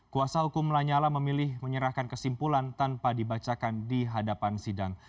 kuasa hukum lanyala memilih menyerahkan kesimpulan tanpa dibacakan di hadapan sidang